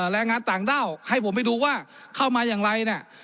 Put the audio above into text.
แรงงานต่างด้าวให้ผมไปดูว่าเข้ามาอย่างไรเนี่ย